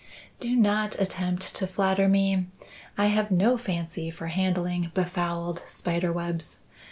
"Do not attempt to flatter me. I have no fancy for handling befouled spider webs.